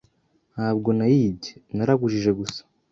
Ntabwo nayibye. Naragujije gusa.